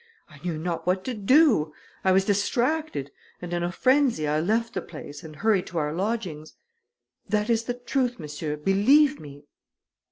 I knew not what to do; I was distracted, and in a frenzy, I left the place and hurried to our lodgings. That is the truth, monsieur; believe me."